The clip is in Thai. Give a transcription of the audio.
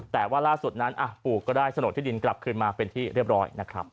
แต่ว่าล่าสุดนั้นปู่ก็ได้โฉนดที่ดินกลับคืนมาเป็นที่เรียบร้อยนะครับ